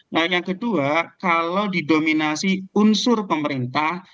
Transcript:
nah yang kedua kalau didominasi unsur pemerintah